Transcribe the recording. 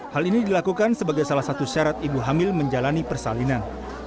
hal ini dilakukan sebagai salah satu syarat ibu hamil menjalani persalinan